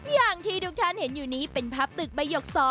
อย่างที่ทุกท่านเห็นอยู่นี้เป็นภาพตึกใบหยก๒